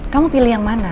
kamu pilih yang mana